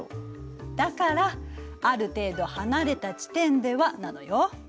だから「ある程度離れた地点では」なのよ。